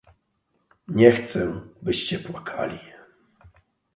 "Nie chcę, byście płakali."